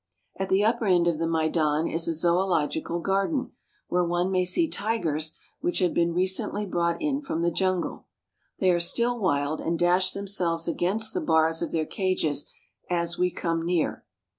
At the upper end of the Maidan is a zoological garden, where one may see tigers which have been recently brought in from the jungle. They are still wild, and dash them selves against the bars of their cages as we come near.